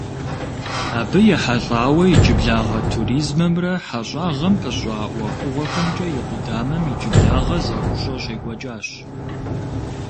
Абы ехьэлӀауэ иджыблагъэ туризмэмрэ хьэщӀагъэм пыщӀа ӀуэхугъуэхэмкӀэ и къудамэм иджыблагъэ зэӀущӀэ щекӀуэкӀащ.